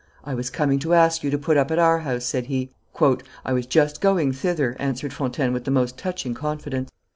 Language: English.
"I was coming to ask you to put up at our house," said he. "I was just going thither," answered Fontaine with the most touching confidence.